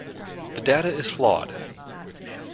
The data is flawed.